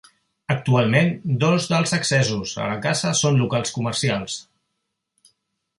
Actualment, dos dels accessos a la casa són locals comercials.